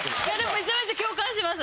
めちゃめちゃ共感します。